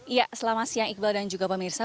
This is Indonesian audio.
iya selamat siang iqbal dan juga pak mirsa